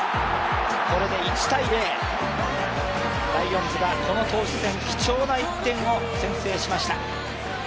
これで１−０ライオンズがこの投手戦、貴重な１点を先制しました。